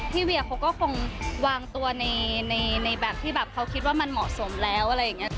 เวียเขาก็คงวางตัวในแบบที่แบบเขาคิดว่ามันเหมาะสมแล้วอะไรอย่างนี้